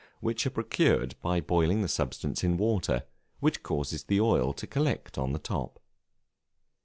which are procured by boiling the substance in water, which causes the oil to collect on the top.